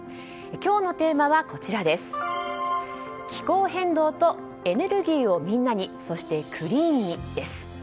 今日のテーマは、気候変動とエネルギーをみんなにそしてクリーンにです。